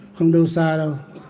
không đâu xa đâu